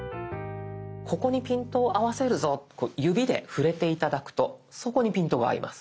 ここにピントを合わせるぞこう指で触れて頂くとそこにピントが合います。